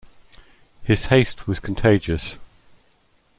His haste was contagious.